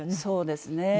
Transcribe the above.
そうですね。